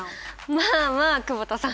まあまあ久保田さん。